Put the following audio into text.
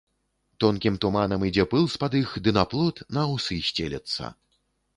Тонкім туманам ідзе пыл з-пад іх ды за плот на аўсы сцелецца.